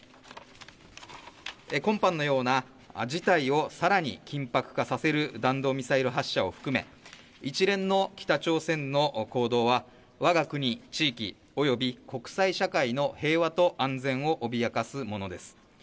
今般のような事態をさらに緊迫化させる弾道ミサイル発射を含め一連の北朝鮮の行動はわが国、地域、および国際社会の平和と安全を脅かすものです。